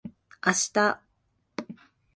あした